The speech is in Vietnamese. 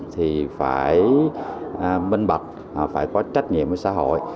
thì phải minh bạch phải có trách nhiệm với xã hội